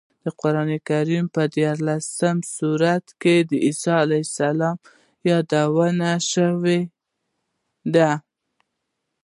د قرانکریم په دیارلس سورتونو کې عیسی علیه السلام یاد شوی دی.